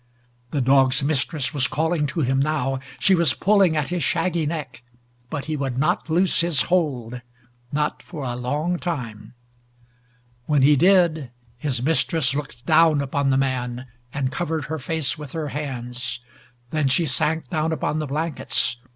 The dog's mistress was calling to him now. She was pulling at his shaggy neck. But he would not loose his hold not for a long time. When he did, his mistress looked down once upon the man and covered her face with her hands. Then she sank down upon the blankets.